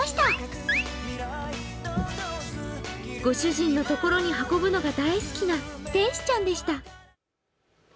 ご主人のところに運ぶのが大好きな天使ちゃんでした。